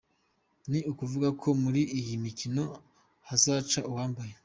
Ni ukuvuga ko muri iyi mikino hazaca uwambaye.